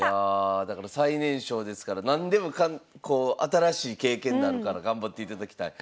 いやだから最年少ですから何でもこう新しい経験になるから頑張っていただきたい。